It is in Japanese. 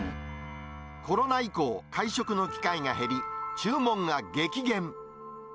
コロナ以降、会食の機会が減り、注文が激減。